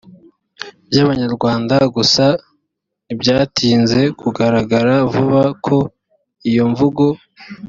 by abanyarwanda gusa ntibyatinze kugaragara vuba ko iyo mvugo